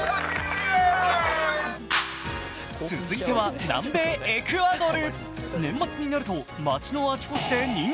続いては南米エクアドル。